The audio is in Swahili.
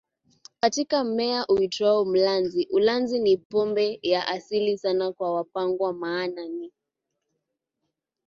katika mmea uitwao mlanzi Ulanzi ni pombe ya asili sana kwa Wapangwa maana ni